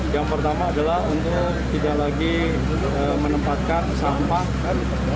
yang pertama adalah untuk tidak lagi menempatkan sampah kan